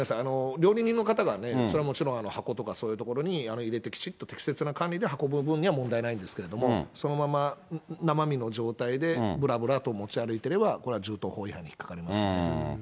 料理人の方がね、それはもちろん、箱とかそういうところに入れてきちっと適切な管理で運ぶ分には問題ないんですけれども、そのまま生身の状態でぶらぶらと持ち歩いていれば、これは銃刀法違反に引っ掛かりますよね。